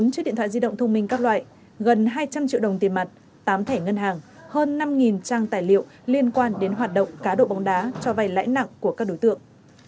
một mươi chiếc điện thoại di động thông minh các loại gần hai trăm linh triệu đồng tiền mặt tám thẻ ngân hàng hơn năm trang tài liệu liên quan đến hoạt động cá độ bóng đá cho vay lãi nặng của các đối tượng